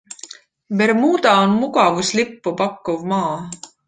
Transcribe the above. Bermuda on mugavuslippu pakkuv maa.